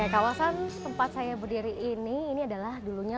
kawasan tempat saya berdiri ini adalah dulunya